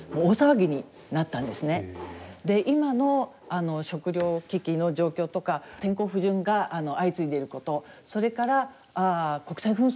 で今の食糧危機の状況とか天候不順が相次いでいることそれから国際紛争も相次いでいること。